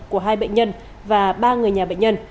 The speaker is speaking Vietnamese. của hai bệnh nhân và ba người nhà bệnh nhân